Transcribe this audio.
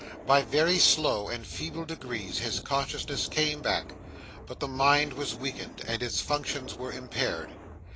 By very slow and feeble degrees his consciousness came back; but the mind was weakened and its functions were impaired.